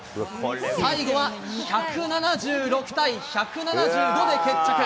最後は１７６対１７５で決着。